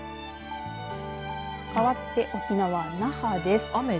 かわって沖縄、那覇です。